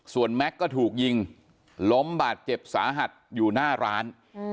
ส่วนแม็กซ์ก็ถูกยิงล้มบาดเจ็บสาหัสอยู่หน้าร้าน